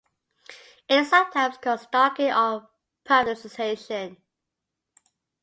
It is sometimes called stocking or privatization.